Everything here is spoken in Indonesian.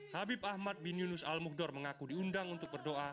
habib ahmad bin yunus al mukdor mengaku diundang untuk berdoa